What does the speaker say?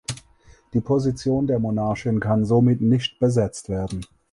Die Position der Monarchin kann somit nicht besetzt werden.